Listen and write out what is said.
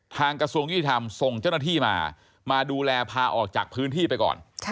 กระทรวงยุติธรรมส่งเจ้าหน้าที่มามาดูแลพาออกจากพื้นที่ไปก่อน